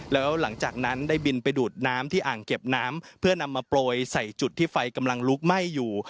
แล้วหลังจากนั้นได้บินไปดูดน้ำที่อ่างเก็บน้ำเพื่อนำมาโปรยใส่จุดที่ไฟกำลังลุกไหม้อยู่